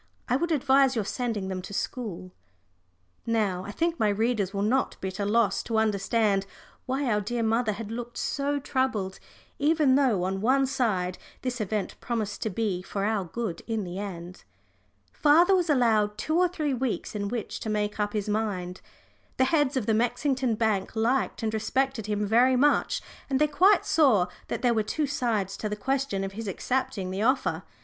I would advise your sending them to school." Now I think my readers will not be at a loss to understand why our dear mother had looked so troubled, even though on one side this event promised to be for our good in the end. Father was allowed two or three weeks in which to make up his mind. The heads of the Mexington bank liked and respected him very much, and they quite saw that there were two sides to the question of his accepting the offer.